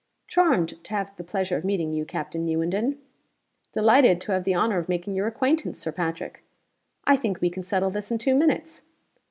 'Charmed to have the pleasure of meeting you, Captain Newenden.' 'Delighted to have the honor of making your acquaintance, Sir Patrick.' 'I think we can settle this in two minutes?